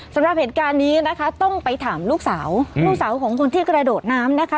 สำหรับเหตุการณ์นี้นะคะต้องไปถามลูกสาวลูกสาวของคนที่กระโดดน้ำนะคะ